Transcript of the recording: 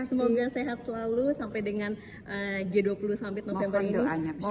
semoga sehat selalu sampai dengan g dua puluh sampai november ini